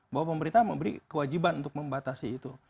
bahwa pemerintah memberi kewajiban untuk membatasi itu